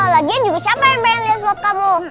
lagian juga siapa yang pengen liat slob kamu